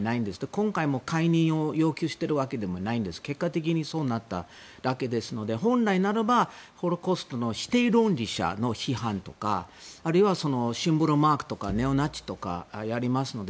今回も解任を要求しているわけではなく結果的にそうなっただけですので本来ならばホロコーストの否定論者への批判だとかあるいはシンボルマークとかはネオナチとかがやりますので。